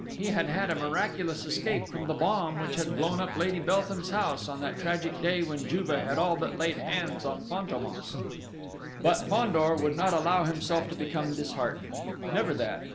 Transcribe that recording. He had had a miraculous escape from the bomb which had blown up Lady Beltham's house on that tragic day when Juve had all but laid hands on Fantômas! But Fandor would not allow himself to become disheartened never that!